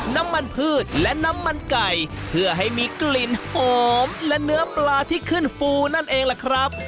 น้ำมันพืชและน้ำมันไก่เพื่อให้มีกลิ่นหอมและเนื้อปลาที่ขึ้นฟูนั่นเองล่ะครับ